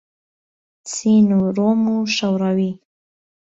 چین و رۆم و شهوڕهوی